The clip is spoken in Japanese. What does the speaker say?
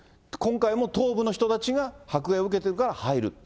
今回も東部の人たちが迫害を受けているから入る。